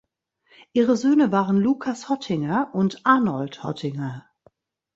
Ihre Söhne waren Lukas Hottinger und Arnold Hottinger.